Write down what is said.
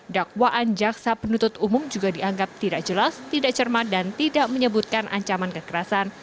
dakwaan jaksa penuntut umum juga dianggap tidak jelas tidak cermat dan tidak menyebutkan ancaman kekerasan